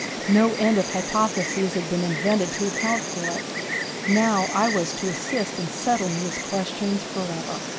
No end of hypotheses had been invented to account for it. Now I was to assist in settling these questions forever.